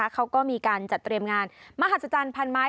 เขาก็มีการจัดเตรียมงานมหัศจรรย์พันไม้